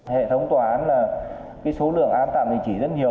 hệ thống tòa án là số lượng án tạm đình chỉ rất nhiều